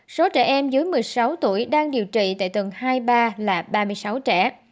số trẻ em dưới một mươi sáu tuổi đang điều trị tại tầng hai ba là ba mươi sáu trẻ